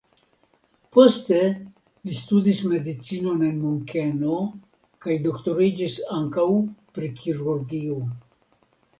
Poste li studis medicinon en Munkeno kaj doktoriĝis ankaŭ pri kirurgio.